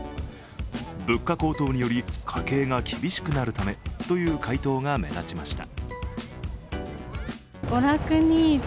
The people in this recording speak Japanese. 物価高騰により家計が厳しくなるためという回答が目立ちました。